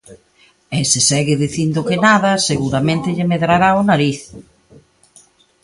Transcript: E, se segue dicindo que nada, seguramente lle medrará o nariz.